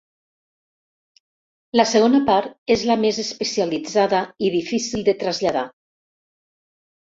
La segona part és la més especialitzada i difícil de traslladar.